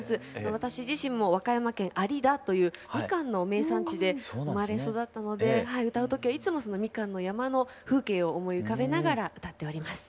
私自身も和歌山県有田というみかんの名産地で生まれ育ったので歌う時はいつもそのみかんの山の風景を思い浮かべながら歌っております。